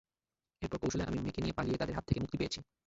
এরপর কৌশলে আমি মেয়েকে নিয়ে পালিয়ে তাদের হাত থেকে মুক্তি পেয়েছি।